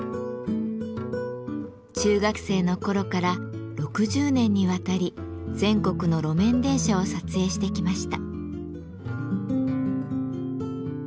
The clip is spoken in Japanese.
中学生の頃から６０年にわたり全国の路面電車を撮影してきました。